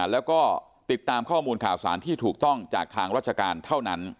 แล้วก็ติดตามข้อมูลข่าวสารที่ถูกต้องจากทางราชการเท่านั้น